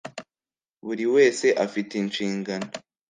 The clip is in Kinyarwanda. buri wese afite inshingano